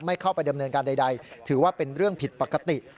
เข้าไปดำเนินการใดถือว่าเป็นเรื่องผิดปกติ